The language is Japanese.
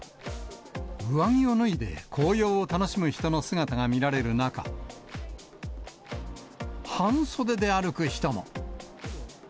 上着を脱いで、紅葉を楽しむ人の姿が見られる中、半袖で歩く人も。